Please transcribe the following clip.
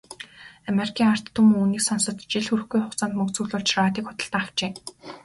Америкийн ард түмэн үүнийг сонсоод жил хүрэхгүй хугацаанд мөнгө цуглуулж, радийг худалдан авчээ.